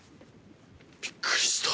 びっくりした。